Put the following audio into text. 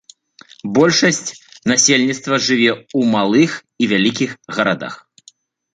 Большасць насельніцтва жыве ў малых і вялікіх гарадах.